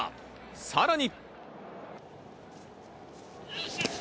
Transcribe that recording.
さらに。